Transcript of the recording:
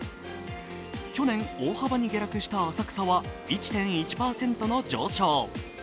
去年、大幅に下落した浅草は１．１％の上昇。